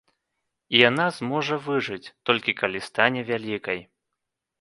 І яна зможа выжыць, толькі калі стане вялікай.